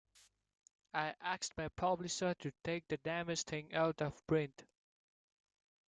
I asked my publisher to take the damned thing out of print.